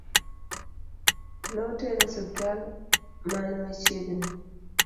Notere osiptal man machiegni